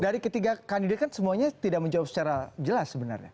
dari ketiga kandidat kan semuanya tidak menjawab secara jelas sebenarnya